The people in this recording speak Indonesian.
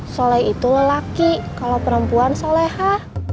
soleh itu lelaki kalo perempuan soleh ha